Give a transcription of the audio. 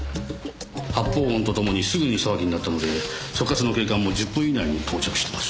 発砲音と共にすぐに騒ぎになったので所轄の警官も１０分以内に到着してます。